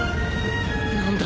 何だ？